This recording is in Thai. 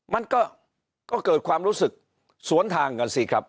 มันก็เกิดความรู้สึกสวนทางกันสิครับ